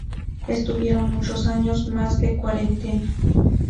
Estuvieron muchos años, más de cuarenta.